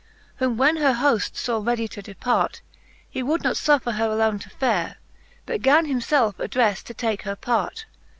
VIII. Whom when her Hoft faw readie to depart. He would not fufFer her alone to fare. But gan himfelfe addrefle to take her part.